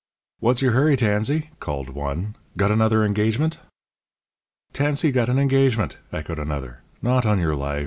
"What's your hurry, Tansey?" called one. "Got another engagement?" "Tansey got an engagement!" echoed another. "Not on your life.